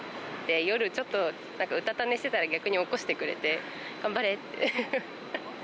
夜ちょっとなんかうたた寝してたら、逆に起こしてくれて、頑張れって。